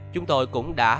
chúng tôi cũng đã